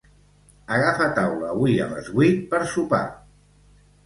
Agafa taula avui a les vuit per sopar.